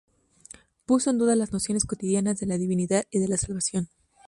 Puso en duda las nociones cotidianas de la divinidad y de la salvación.